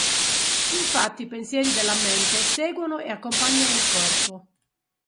Infatti i pensieri della mente seguono e accompagnano il corpo.